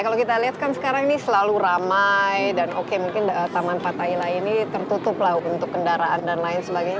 kalau kita lihat kan sekarang ini selalu ramai dan oke mungkin taman fatahila ini tertutup lah untuk kendaraan dan lain sebagainya